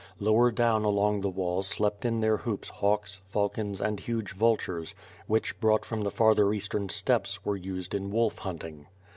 Lower down along the wall slept in their hoops hawks, falcons, and huge vultures, which brought from the farther eastern steppes, were used in wolf hunting.